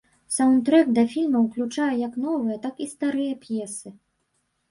Саўндтрэк да фільма ўключае як новыя, так і старыя п'есы.